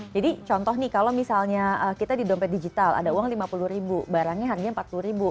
jadi contoh nih kalau misalnya kita di dompet digital ada uang lima puluh ribu barangnya harganya empat puluh ribu